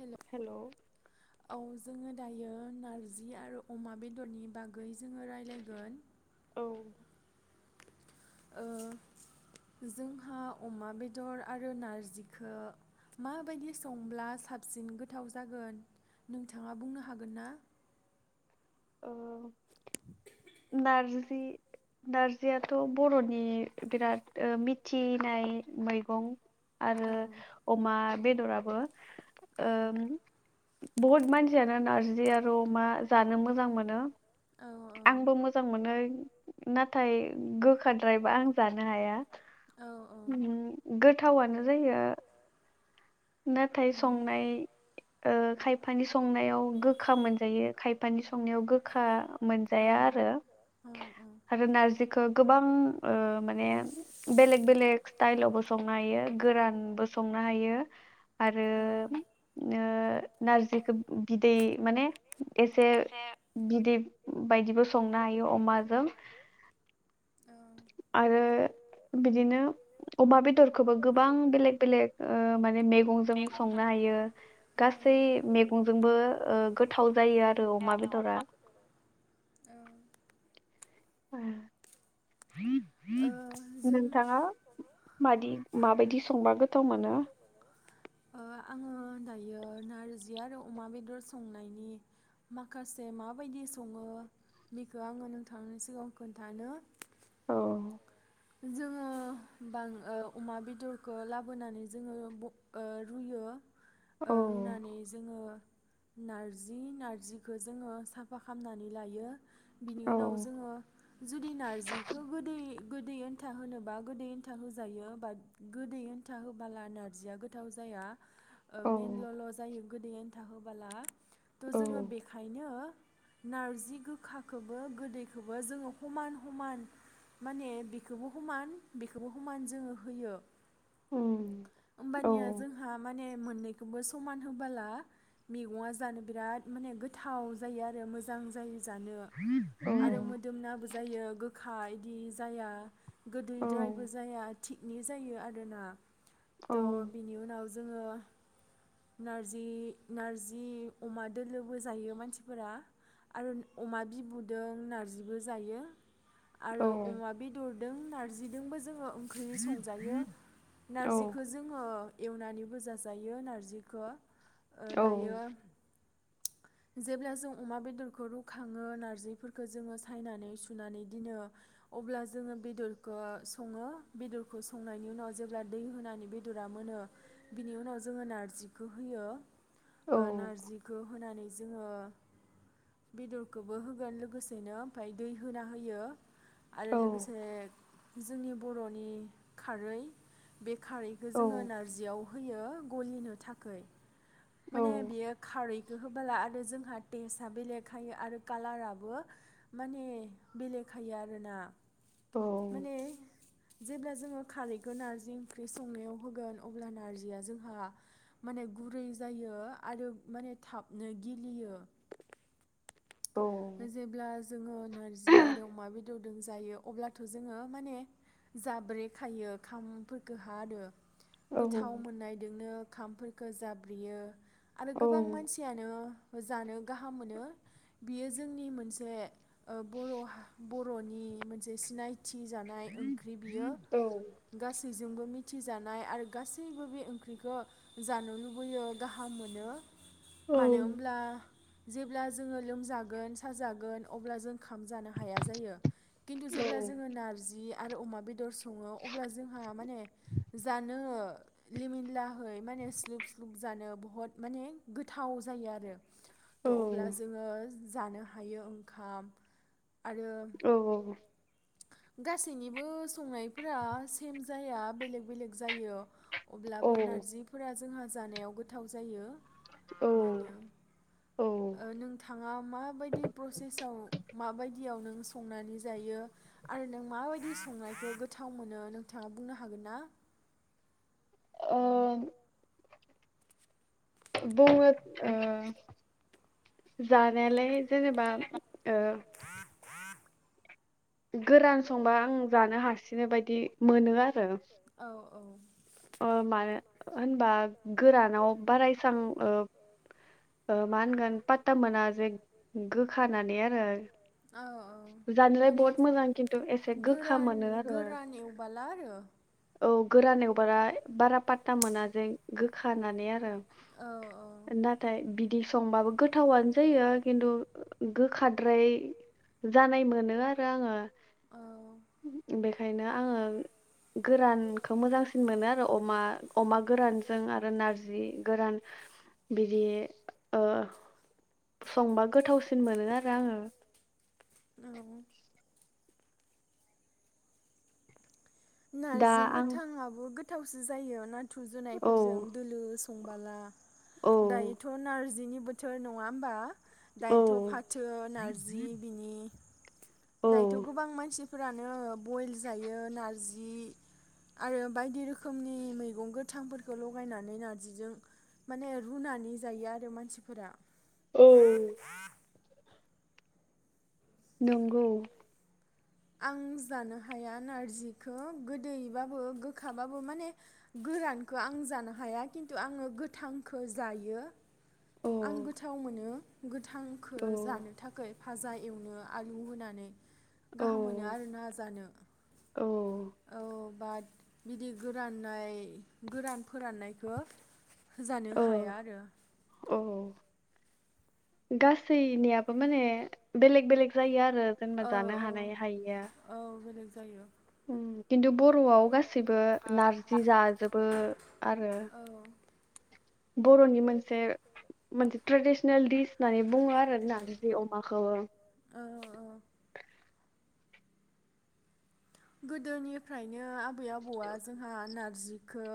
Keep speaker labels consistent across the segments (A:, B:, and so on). A: Hello औ जोङो दायो नारजि आरो अमा बेदरनि बागै जोङो रायलायगोन।
B: औ
A: ओ जोंहा अमा बेदर आरो नारजिखौ माबादि संब्ला साबसिन गोथाव जागोन नोंथाङा बुंनो हागोन ना।
B: ओह नारजि नारजियाथ बरनि बिराद मिथिनाय मैगं आरो अमा बेदराबो ओ बहुद मानसियानो नारजि आरो अमा जानो मोजां मोनो आंबो मोजां मोनो नाथाय गोखाद्रायबा आं जानो हाया उम गोथावानो जोंनिया नाथाय संनाय ओ खायफानि संनायाव गोखा मोनजायो खायफानि संनायाव गोखा मोनजाया आरो आरो नारजिखौ गोबां ओ माने बेलेक बेलेग स्टाइलावबो संनो हायो गोरानबो संनो हायो। आरो ओ नारजिखौ बिदै माने एसे बिदै बायदिबो संनो हायो अमाजों आरो बिदिनो अमा बेदरखौबो गोबां बेलेक बेलेग ओ माने जों संनो हायो गासै मैगंजोंबो गोथाव जायो आरो अमा बेदरा। [unintelligible] नोंथाङा मादि माबायदि संबा गोथाव मोनो।
A: दायो नारजि आरो अमा बेदर संनायनि माखासे माबायदि सङो निखो आङो नोंथांनि सिगाङाव खोन्थानो।
B: औ
A: जोङो [inaudible] ओ अमा बेदरखौ लाबोनानै जोङो रुयो। ओ रुनानै जोङो नारजि नारजिखौ जोङो साफा खामनानै लायो। बिनि उनाव जोङो जुदि नारजिखौ गोदै गोदै ओन्था होनोबा गोदै ओन्था होजायो बा गोदै ओन्था होबोला नारजिया गोथाव जाया। ओ मेनलल' जायो। गोदैयानो थाहोबाला थ जोङो बेखायनो नारजि गोखखोबो गोदैखोबो जोङो हमान हमान माने बेखोबो हमान बेखोबो हमान जोङो होयो। ओमबानिया जोंहा माने मोननैखोबो समान होबाला मेगंङा जानो बिराद माने गोथाव जायो आरो मोजां जायो। जानो आरो मोदोमनाबो जानो आरो गोखा खा इदि जाया गोदैद्रायबो जाया थिगनि जायो आरोना त बिनि उनाव जोङो नारजि नारजि अमा दोलोबो जायो मानसिफोरा आरो अमा बिबुदों नारजिबो जायो। आरो अमा बिद गुरदों नारजिदोंबो जोङो ओंख्रि संजायो नारजिखो जोङो एवनानैबो जाजायो नारजिखो ओ दायो जेब्ला जों अमा बेदरखौ रुखाङो नारजिफोरखो जोङो सायनानै सुनानै दिनो अब्ला जो जोङो बेदरखो सङो बेदरखो संनायनि उनाव जेब्ला दै होनानै बेदरा मोनो बिनि उनाव जोङो नार्जिखो होयो। नार्जिखो होनानै जोङो बेदरखोबो होगोन लोगोसेनो ओमफाय दै होनानै होयो आरो लोगोसे जोंनि बरनि खारै बे खारैखो जोङो नार्जियाव होयो गलिनो थाखै माने बियो खारै होबोला आरो जोंहा टेस्टआ बेलेग हायो आरो कालाराबो माने बेलेग हायो आरोना। माने जेब्ला जोङो खारैखौ नारजि ओंख्रि संनायाव होगोन अब्ला नारजिया जोंहा माने गुरै जायो आरो माने थाबनो गिलियो। जेब्ला जोङो नार्जि आरो अमा बेद दौदुं जायो अब्लाथ जोङो माने जाब्रेखायो खामफोरखो हा आरो। गोथाव मोननायदोंनो ओंखामफोरखो जाब्रियो आरो गोबां मानसियानो जानो गाहाम मोनो। बियो जोंनि मोनसे ओ बर हा बरनि मोनसे सिनाय थि जानाय ओंख्रि बियो गासै जोंबो मिथिजानाय आरो गासैबो बे ओंख्रिखौ जानो लुबैयो गाहाम मोनो मानो होमब्ला जेब्ला जोङो लोमजा गोन साजागोन अब्ला जों खा ओंखाम जानो हाया जायो खिन्थु जेब्ला जोङो नारजि आरो अमा बेदर सङो अब्ला जोंहा माने जानो लिमिनलाहै माने स्लुब स्लुब जानो बहुद माने गोथाव जायोआरो थ अब्ला जोङो जानो हायो ओंखाम
B: औ औ औ
A: गासैनिबो संनायफोरा सेम जाया बेलेग बेलेग जायो अब्लाबो नारजिफोरा जोंहा जानायाव गोथाव जायो बेनो ओ नोंथाङा माबायदि प्रसेसआव माबायदियाव नों संनानै जायो आरो नों माबायदि संनायखौ गोथाव मोनो नोंथाङा बुंनो हागोन ना
B: ओ बुङो ओ जानायालाय जेनेबा ओ गोरान संबा आं जानो हासिनो बायदि मोनोआर ओ ओ मानो होनबा गोरानाव बारा एसां मा होनगोन पाता मोना जे गोखानानैआरो जानायलाय बहुत मोजां खिन्थु एसे गोखा मोनोआरो औ गोरान एउ बाराय बारा पाता मोना जें गोखानानै आरो नाथाय बिदि संबाबो गोथावनो जायो खिन्थु गोखाद्राय जानाय मोनोआरो आङो बेखायनो आङो गोरान खा थिन मोनो आरो अमा अमा गोरानजों आरो नारजि गोरान बिदि ओ संबा गोथावसिन मोनो आरो आंङो
A: नारजि गोथांङाबो गोथ गोथावसो जायो ना थुरजुनायफोरजों दोलो स संबाला दायोथ नारजिनि बोथोर नङा होमबा दायोथ फाथो नारजि बिनि दायोथ गोबां मानसि फोरानो बयल जायो नारजि आरो बायदि रोखोमनि मैगं गोथांफोरखौ लगायनानै नार्जिजों माने रुनानै जायो आरो मानसिफोरा
B: औ। नंगौ।
A: आं जानो हाया नारजिखौ गोदैबाबो गोखाबाबो माने गोरानखौ आं जानो हाया खिन्थु आङो गोथांखौ जायो। आं गोथाव मोनो। गुड। थांखो जानो थाखै। फाजा एवनो आलु होनानै। गाहाम मोनो आर ना जानो औ। बाद बिदि गोराननाय गोरान फोराननायखौ जानो हाया आरो।
B: गासैनियाबो माने बेलेग बेलेग जायो आरो। जोंना जानो हानाय हायैआ।
A: जायो।
B: उम। खिन्थु बरआव गासैबो नारजि जाजोबो आरो। बरनि मोनसे मोनसे ट्रेडिसनेल डिस होननानै बुङो आरोना नारजि अमाखौबो।
A: गोदोनिफ्रायनो आब बै आबौआ जोंहा नार जिखो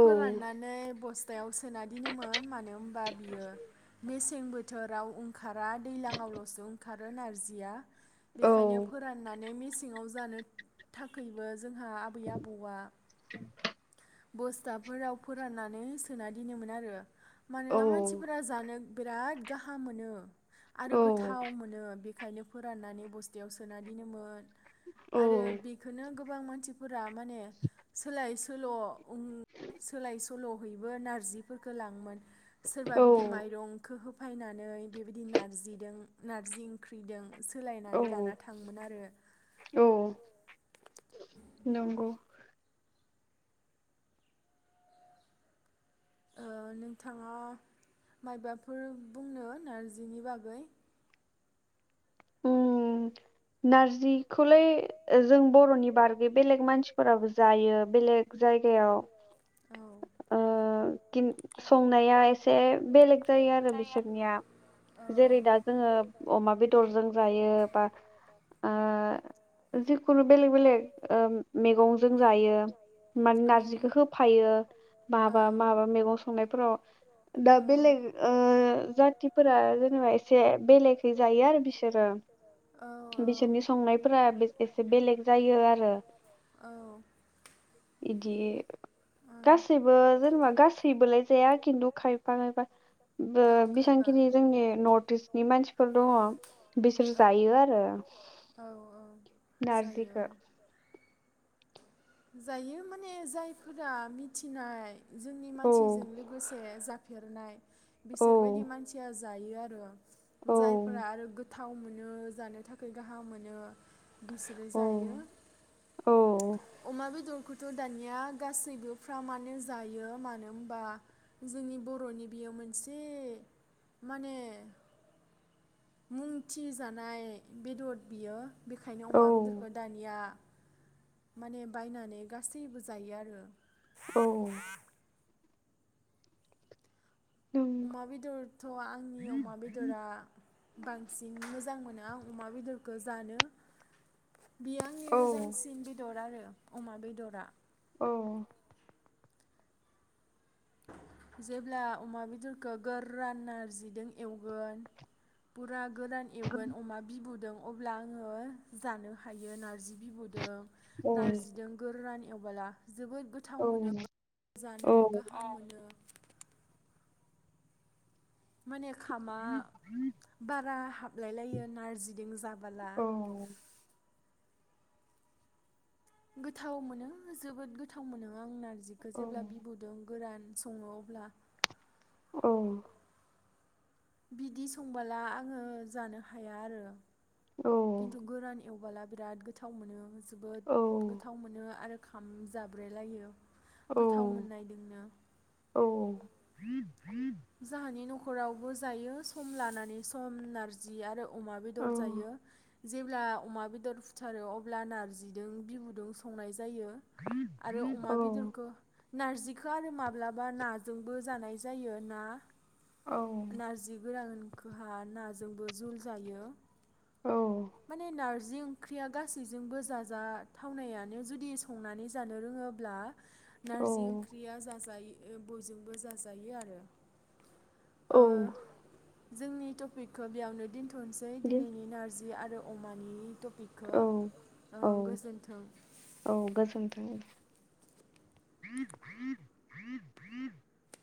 A: फोराननानै बस दयाव सोनादोनोमोन मानो होनबा बियो मेसें बोथोर राव ओंखारा दैज्लाङावलसो ओंखारो नारजिया। बेनिखायनो फोराननानै मेसेङाव जानो थाखायबो जोंहा आबै आबौआ बस्थाफोराव फोराननानै सोना दोनोमोन आरो। मानोना मानसिफोरा जानो बिराद गाहाम मोनो। आरो गोथाव मोनो बे ओंखायनो फोराननानै बस्थायाव सोना दोनोमोन। आरो बेखौनो गो गोबां मानसिफोर माने सोलाय सोल। उम सोलाय सोलहैबो नारजिफोरखौ लाङोमोन। सोरबा बिदि माइरंखौ होब। फायनानै बेबायदि नारजिदों नारजि ओंख्रिदों।
B: औ औ औ नंगौ।
A: ओ नोंथाङा माइबाफोर बुंनो नारजिनि बागै।
B: उम। नारजिखौलाय जों बरनि बारगै बेलेग मानसिफोराबो जायो बेलेग जायगायाव ओ खिन संनाया एसे बेलेग जायो आरो बिसोरनिया जेरै दा जोङो अमा बे। रजों जायो बा ओ। जिखुनु बेलेक-बेलेक ओ मेगंजों जायो माने नारजिखौ होफायो बा बा माबा मेगं संनायफोराव दा बेलेग ओ जाथिफोरा जेनेबा एसे बेलेगै जायो आरो। बिसोरो बिसोरनि। संनायफोरा एसे बेलेग जायो आरो इदि। बे। गासैबो जेनेबा गासैबोलाय जाया खिन्थु खायफा खायफा बो बेसेबांखिनि जोंनि नर्थ इस्टनि मानसिफोर दङ। बिसोर जायो आरो नारजिखो।
A: जायो माने जाय। फोरा मिथिनाय। जोंनि मानसिजों लोगोसे जा। फेरनाय। बिसोरबायदि मानसिया। जायो आरो। जायफोरा आरो। थाव मोनो जानो थाखाय गाहाम मोनो। बिसोरो जायो अमा बेदरखौ। थ दानिया। गासैबोफ्रा मानो जायो मानो होनबा जोंनि बरनि बेयो मोनसे माने। मुंथि जानाय बेदर बेयो। बेखायनो अमा बेदरखौ दानिया माने बायनानै गासैबो जायो आरो।
B: औ।
A: अमा बेदरथ आंनि अमा बेदरा बांसिन मोजां मोनो। आं अमा बेदरखौ जानो। बि आंनि मोजांसिन बेदर आरो। अमा बेदरा
B: औ
A: जेब्ला अमा बेदरखौ गोरान नारजिजों एवगोन पुरा गोरान एवगोन अमा बिबुदों अब्ला आङो जानो हायो नारजि बिबु दो नारजिदों गोरान एवबोला जोबोद गोथाव मोनो जानोबो गाहाम मोनो माने खामा बारा हाबलायलायो नारजिजोंं जाबोला गोथाव मोनो जोबोद गोथाव मोनो आं नारजि जिखौ जेब्ला बिबुदों गोरान सङो अब्ला
B: औ
A: बिदि संबोला आङो जानो हाया आरो खिन्थु गोरान एवबोला बिराद गोथाव मोनो जोबोद गोथाव मोनो आरो ओंखाम जाब्रेलायो गोथाव मोननायदोंनो औ जोंहानि नख रावबो जायो सम लानानै सम नारजि आरो अमा बेदर जायो जेब्ला अमा बेदर फुथारो अब्ला नारजिदों बिबुदों संनाय जायो आरो अमा बेदरखो नारजिखौ आरो माब्लाबा नाजोंबो जानाय जायो ना नारजि गोरान खोहा नाजोंबो जुल जायो माने नार नारजि ओंख्रिया गासैजोंबो जाजाथावनायानो जुदि संनानै जानो रोङोब्ला नारजि ओंख्रिया जाजायो बयजोंबो जाजायो आरो ओ जोंनि टपिकखौ बेयावनो दिन्थ नोसै दिनैनि नारजि आरो अमानि ट बिखो ओ गोजोन्थों।
B: [unintelligible]